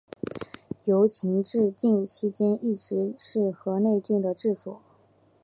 由秦至晋期间一直是河内郡的治所。